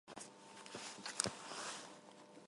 Երկար տեղ գնում էինք լուռ: